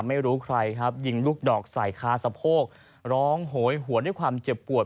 ไม่รู้ใครครับยิงลูกดอกใส่คาสะโพกร้องโหยหวนด้วยความเจ็บปวด